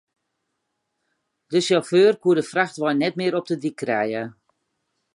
De sjauffeur koe de frachtwein net mear op de dyk krije.